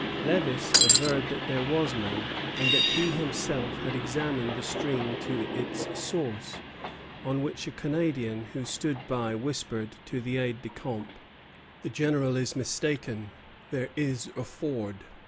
Lévis averred that there was none, and that he himself had examined the stream to its source; on which a Canadian who stood by whispered to the aide de camp: "The General is mistaken; there is a ford."